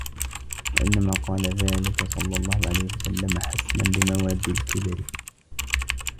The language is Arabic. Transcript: وَإِنَّمَا قَالَ ذَلِكَ صَلَّى اللَّهُ عَلَيْهِ وَسَلَّمَ حَسْمًا لِمَوَادِّ الْكِبْرِ